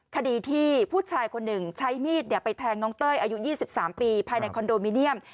คดีที่ผู้ชายคนหนึ่งใช้มีดไปแทงน้องเต้ยอายุ๒๓ปีภายในคอนโดมิเนียม